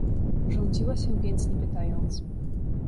"Rządziła się więc nie pytając..."